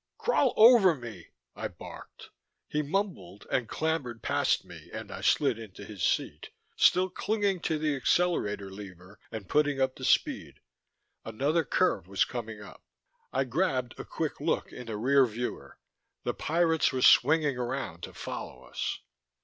"Crawl over me!" I barked. He mumbled and clambered past me and I slid into his seat, still clinging to the accelerator lever and putting up the speed. Another curve was coming up. I grabbed a quick look in the rear viewer: the pirates were swinging around to follow us.